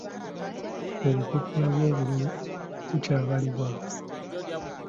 Obupapula bw'obululu bukyabalibwa..